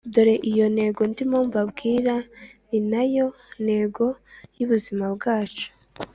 Dore iyi ntego ndimwo mbabwira ninayo ntego y’ubuzima bwacu